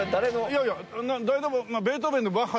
いやいや誰でも。